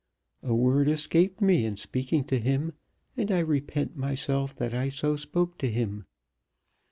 A word escaped me in speaking to him, and I repent myself that I so spoke to him.